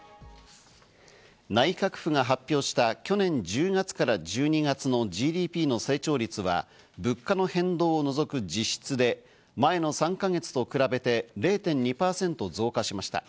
内閣府が発表した去年１０月から１２月のＧＤＰの成長率は物価の変動を除く、実質で前の３か月と比べて０．２％増加しました。